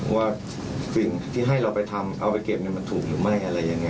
อยากให้ทางโรงพยาบาลออกมาชี้แจง